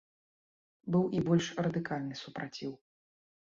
Быў і больш радыкальны супраціў.